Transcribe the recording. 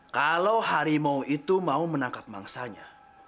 kalau harimau itu mau menangkap mangsanya